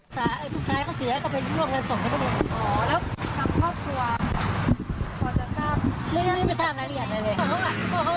แสบละเอียดแอ๊ดพ่อไปแล้วก็รู้จักแล้วรถของพี่ชายเขาโทรมาบอกว่า